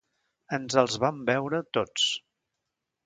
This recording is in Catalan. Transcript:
Ens els vam beure, tots.